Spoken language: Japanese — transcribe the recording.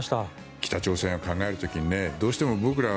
北朝鮮を考える時にどうしても僕らは